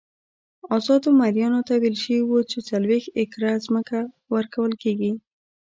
ازادو مریانو ته ویل شوي وو چې څلوېښت ایکره ځمکه ورکول کېږي.